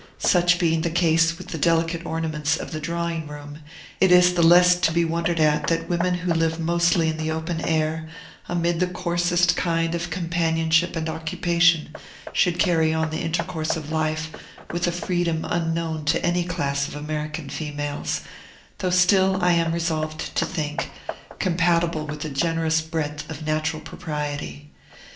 Such being the case with the delicate ornaments of the drawing room, it is the less to be wondered at that women who live mostly in the open air, amid the coarsest kind of companionship and occupation, should carry on the intercourse of life with a freedom unknown to any class of American females, though still, I am resolved to think, compatible with a generous breadth of natural propriety.